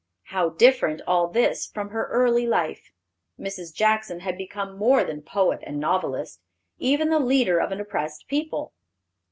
How different all this from her early life! Mrs. Jackson had become more than poet and novelist; even the leader of an oppressed people.